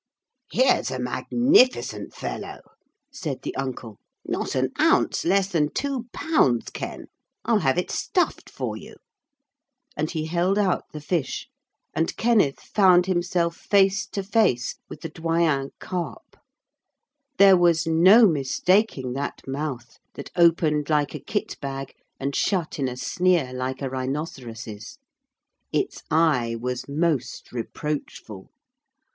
'Here's a magnificent fellow,' said the uncle. 'Not an ounce less than two pounds, Ken. I'll have it stuffed for you.' And he held out the fish and Kenneth found himself face to face with the Doyen Carp. There was no mistaking that mouth that opened like a kit bag, and shut in a sneer like a rhinoceros's. Its eye was most reproachful.